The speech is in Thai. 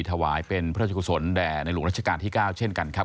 ถวายเป็นพระราชกุศลแด่ในหลวงรัชกาลที่๙เช่นกันครับ